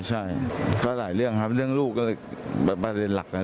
ใช่ก็หลายเรื่องครับเรื่องลูกก็เลยแบบประเด็นหลักนะ